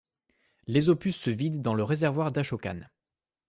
L'Esopus se vide dans le réservoir d'Ashokan.